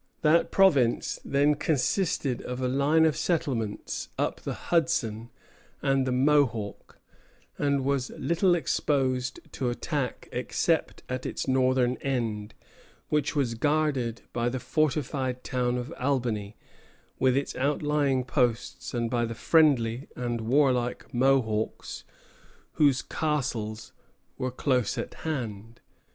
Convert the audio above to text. That province then consisted of a line of settlements up the Hudson and the Mohawk, and was little exposed to attack except at its northern end, which was guarded by the fortified town of Albany, with its outlying posts, and by the friendly and warlike Mohawks, whose "castles" were close at hand.